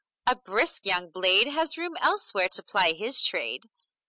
A brisk young blade Has room, elsewhere, to ply his trade.